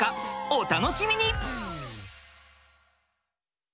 お楽しみに！